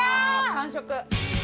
完食。